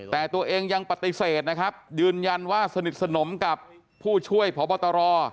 แต่ตัวเองยังปฏิเสธนะครับยืนยันว่าสนิทสนมกับผู้ช่วยพบตร